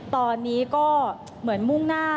ตอนนี้ก็เหมือนมุ่งหน้า